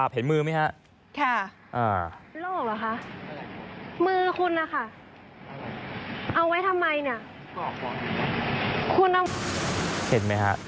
เห็นไหมฮะ